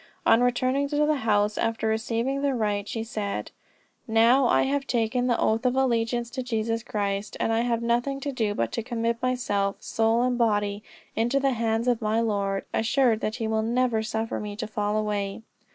On returning to the house after receiving the rite, she said, "Now I have taken the oath of allegiance to Jesus Christ, and I have nothing to do but to commit myself, soul and body, into the hands of my Lord, assured that he will never suffer me to fall away!"